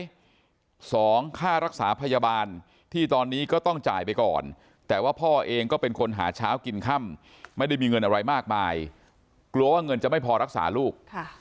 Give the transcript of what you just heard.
สองค่ารักษาพยาบาลที่ตอนนี้ก็ต้องจ่ายไปก่อนแต่ว่าพ่อเองก็เป็นคนหาเช้ากินค่ำไม่ได้มีเงินอะไรมากมายกลัวว่าเงินจะไม่พอรักษาลูก